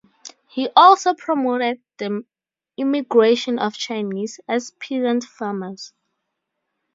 He also promoted the immigration of Chinese as peasant farmers.